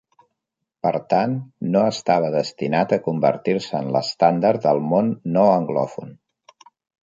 Per tant, no estava destinat a convertir-se en l'estàndard del món no anglòfon.